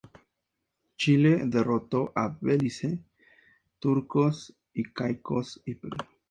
Chile derrotó a Belice, Turcos y Caicos y Perú.